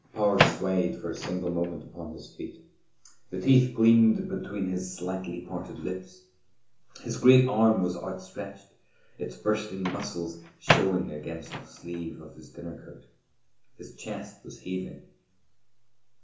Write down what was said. Power swayed for a single moment upon his feet. The teeth gleamed between his slightly parted lips. His great arm was outstretched, its bursting muscles showing against the sleeve of his dinner coat. His chest was heaving.